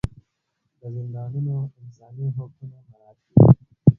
د زندانیانو انساني حقونه مراعات کیږي.